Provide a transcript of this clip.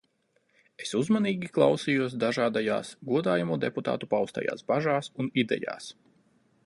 Es uzmanīgi klausījos dažādajās godājamo deputātu paustajās bažās un idejās.